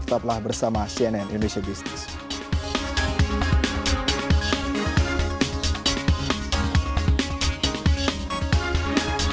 tetaplah bersama cnn indonesia business